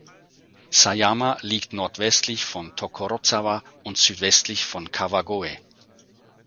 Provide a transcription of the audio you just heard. Sayama liegt nordwestlich von Tokorozawa und südwestlich von Kawagoe.